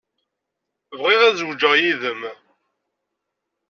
Bɣiɣ ad zewǧeɣ yid-m.